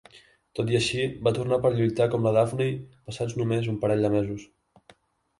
Tot i així, va tornar per lluitar com la Daffney passats només un parell de mesos.